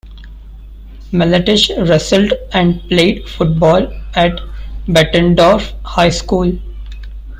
Miletich wrestled and played football at Bettendorf High School.